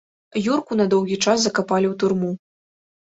Юрку на доўгі час закапалі ў турму.